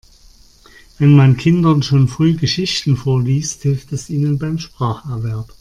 Wenn man Kindern schon früh Geschichten vorliest, hilft es ihnen beim Spracherwerb.